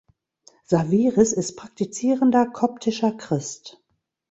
Sawiris ist praktizierender koptischer Christ.